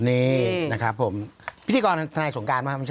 นี่นะครับผมพิธีกรนั้นธนายสงการไหมไม่ใช่